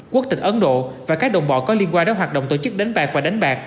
quốc tịch ấn độ và các đồng bọn có liên quan đến hoạt động tổ chức đánh bạc và đánh bạc